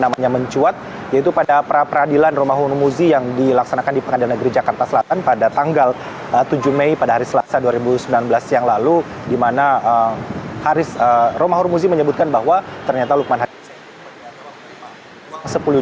dan namanya mencuat yaitu pada peradilan romahur muzi yang dilaksanakan di pengadilan negeri jakarta selatan pada tanggal tujuh mei pada hari selasa dua ribu sembilan belas yang lalu di mana romahur muzi menyebutkan bahwa ternyata lukman hakim saifuddin